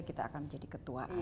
setelah indonesia adalah indonesia